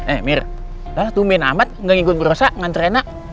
eh mir lalu tuh min amat gak ngikut berosa nganter enak